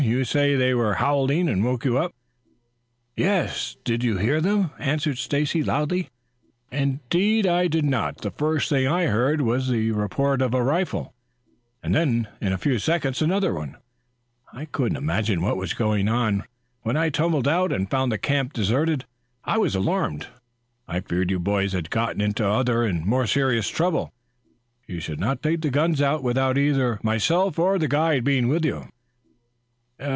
You say they were howling and woke you up?" "Yes; didn't you hear them!" answered Stacy loudly. "Indeed I did not. The first thing I heard was the report of a rifle, and then, in a few seconds, another. I couldn't imagine what was going on. When I tumbled out and found the camp deserted, I was alarmed. I feared you boys had gotten into other and more serious trouble. You should not take the guns out without either myself or the guide being with you."